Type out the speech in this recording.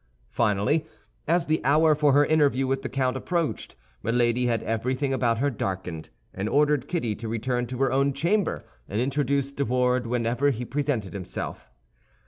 Finally, as the hour for her interview with the count approached, Milady had everything about her darkened, and ordered Kitty to return to her own chamber, and introduce De Wardes whenever he presented himself.